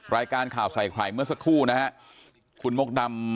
รายการข่าวใส่ไข่เมื่อสักครู่นะครับ